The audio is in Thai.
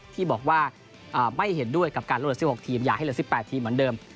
ที่บอกว่าไม่เห็นด้วยกับการลดเหลือ๑๖ทีมอย่าให้เหลือ๑๘ทีมเหมือนเดิม